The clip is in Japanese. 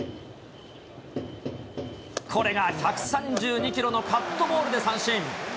これが１３２キロのカットボールで三振。